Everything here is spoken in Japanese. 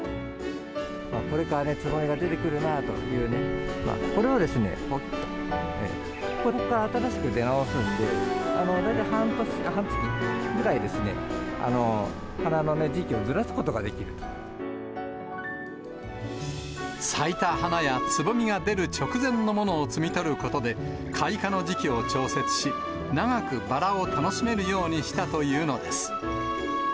これからつぼみが出てくるなというね、これをぽきっと、ここから新しく出直すので、大体半月くらい、花の時期をずら咲いた花やつぼみが出る直前のものを摘み取ることで、開花の時期を調節し、長くバラを楽しめるようにしたというのです。